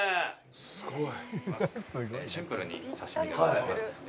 すごい！